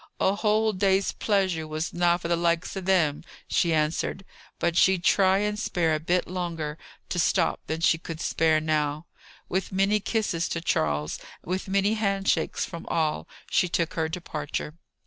a whole day's pleasure was na for the likes of them," she answered; "but she'd try and spare a bit longer to stop than she could spare now." With many kisses to Charles, with many hand shakes from all, she took her departure.